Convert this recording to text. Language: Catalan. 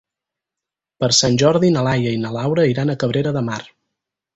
Per Sant Jordi na Laia i na Laura iran a Cabrera de Mar.